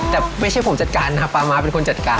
แต่ไม่ใช่ผมจัดการนะป้ามาต์เป็นคนจัดการ